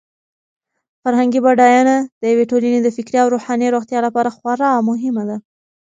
فرهنګي بډاینه د یوې ټولنې د فکري او روحاني روغتیا لپاره خورا مهمه ده.